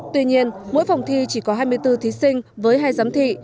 tuy nhiên mỗi phòng thi chỉ có hai mươi bốn thí sinh với hai giám thị